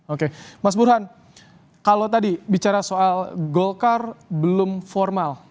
oke mas burhan kalau tadi bicara soal golkar belum formal